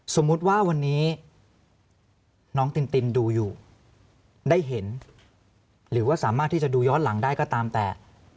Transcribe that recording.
สมมุติว่าวันนี้น้องตินตินดูอยู่ได้เห็นหรือว่าสามารถที่จะดูย้อนหลังได้ก็ตามแต่